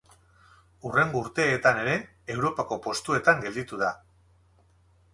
Hurrengo urteetan ere Europako postuetan gelditu da.